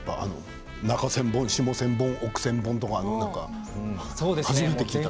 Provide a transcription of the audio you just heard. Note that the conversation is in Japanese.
中千本、下千本、奥千本とか初めて聞いたけど。